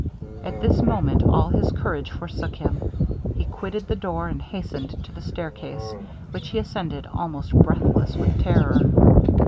At this moment all his courage forsook him; he quitted the door, and hastened to the stair case, which he ascended almost breathless with terror.